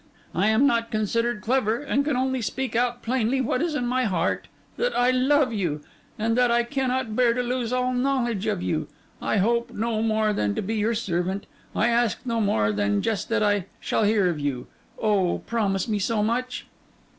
I am not considered clever, and can only speak out plainly what is in my heart: that I love you, and that I cannot bear to lose all knowledge of you. I hope no more than to be your servant; I ask no more than just that I shall hear of you. Oh, promise me so much!